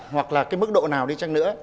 hoặc là cái mức độ nào đi chăng nữa